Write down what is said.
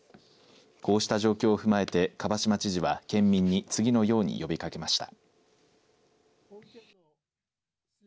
こうした状況を踏まえて蒲島知事は県民に次のように呼びかけました。